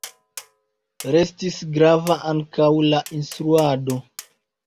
Restis grava ankaŭ la instruado.